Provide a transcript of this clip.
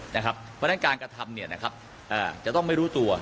นะครับเพราะฉะนั้นการกระทำเนี่ยนะครับเอ่อจะต้องไม่รู้ตัว